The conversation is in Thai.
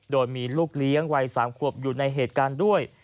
โดยมีลูกเลี้ยงวัย๓ขวบอยู่ในเหตุการณ์ด้วย